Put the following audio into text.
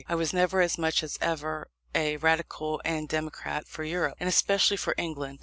I was as much as ever a Radical and Democrat for Europe, and especially for England.